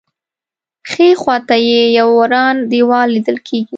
ښی خوا ته یې یو وران دیوال لیدل کېږي.